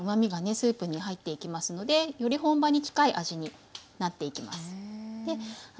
スープに入っていきますのでより本場に近い味になっていきます。